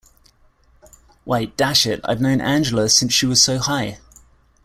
Why, dash it, I've known Angela since she was so high.